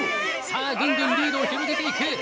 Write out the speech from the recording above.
さあ、ぐんぐんリードを広げていく。